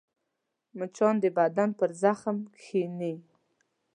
مچان د بدن پر زخم کښېني